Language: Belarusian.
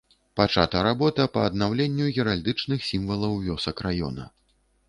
Пачата работа па аднаўленню геральдычных сімвалаў вёсак раёна.